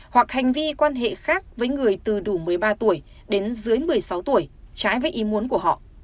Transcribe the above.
hoặc hành vi quan hệ khác với người từ đủ một mươi ba tuổi đến dưới một mươi sáu tuổi trái với ý muốn của họ